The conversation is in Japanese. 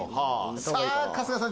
さぁ春日さん